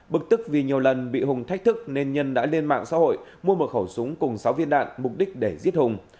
bực tức vì nhiều lần bị hùng thách thức nên nhân đã lên mạng xã hội mua một khẩu súng cùng sáu viên đạn mục đích để giết hùng